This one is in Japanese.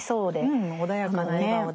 うん穏やかな笑顔で。